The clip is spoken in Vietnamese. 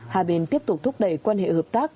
hà bình tiếp tục thúc đẩy quan hệ hợp tác